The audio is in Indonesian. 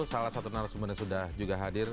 salah satu narasumber yang sudah juga hadir